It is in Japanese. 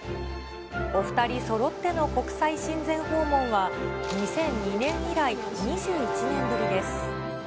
お２人そろっての国際親善訪問は、２００２年以来、２１年ぶりです。